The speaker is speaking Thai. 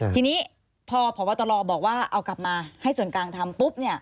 ทีนี้พอพระวัตรรอบอกว่าเอากลับมาให้ส่วนกลางทำปุ๊บเนี่ย